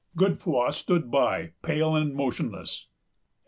Godefroy stood by, pale and motionless.